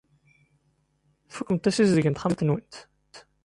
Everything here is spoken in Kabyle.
Tfukemt assizdeg n texxamt-nwent?